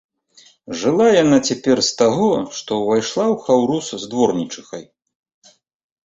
Жыла яна цяпер з таго, што ўвайшла ў хаўрус з дворнічыхай.